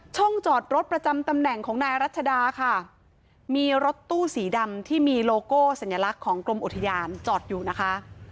จอดรถประจำตำแหน่งของนายรัชดาค่ะมีรถตู้สีดำที่มีโลโก้สัญลักษณ์ของกรมอุทยานจอดอยู่นะคะ